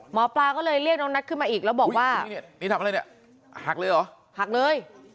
หมอปลาก็เลยเรียกน้องนัทขึ้นมาอีกแล้วบอกว่านี่ทำอะไรเนี่ยหักเลยเหรอหักเลย